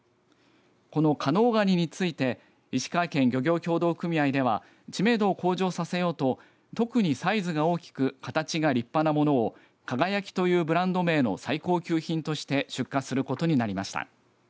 この加能ガニについて石川県漁業協同組合では知名度を向上させようと特にサイズが大きく形が立派なものを輝というブランド名の最高級品として出荷することになりました。